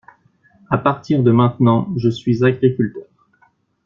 À partir de maintenant, je suis agriculteur.